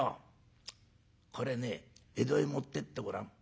これね江戸へ持ってってごらん。